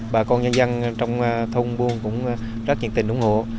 bà con nhân dân trong thông buôn cũng rất nhiệt tình ủng hộ